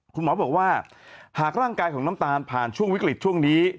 คุณหมอบอกว่าหากร่างกายของน้ำตาลผ่านช่วงวิกฤตช่วงนี้